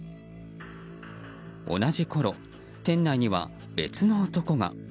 同じころ、店内には別の男が。